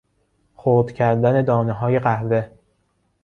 خرد کردن دانههای قهوه